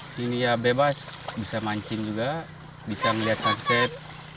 sini ya bebas bisa mancing juga bisa melihat sunset